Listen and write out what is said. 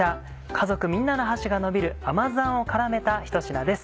家族みんなの箸がのびる甘酢あんを絡めたひと品です。